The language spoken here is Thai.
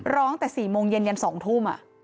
ร้องแต่๔โมงเย็นเย็น๒ทุ่ม